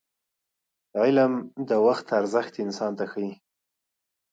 علم د وخت ارزښت انسان ته ښيي.